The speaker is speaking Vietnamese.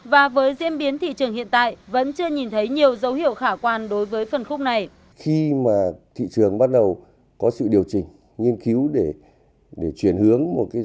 và với diễn biến thị trường hiện tại vẫn chưa nhìn thấy nhiều dấu hiệu khả quan đối với phần khúc này